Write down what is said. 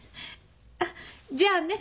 あっじゃあね